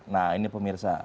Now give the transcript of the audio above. nah ini pemirsa